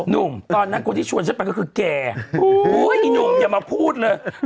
หนุ่มตอนนั้นคนที่ชวนฉันไปก็คือแกอีหนุ่มอย่ามาพูดเลย